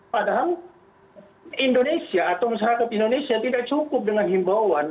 padahal indonesia atau masyarakat indonesia tidak cukup dengan himbauan